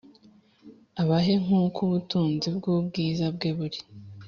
abahe nk'uko ubutunzi bw'ubwiza bwe buri,